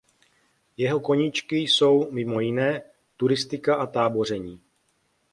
Jeho koníčky jsou mimo jiné turistika a táboření.